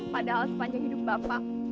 padahal sepanjang hidup bapak